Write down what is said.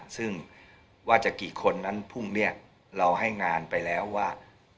ซึ่งว่าจะกี่คนนั้นพรุ่งนี้เราให้งานไปแล้วว่า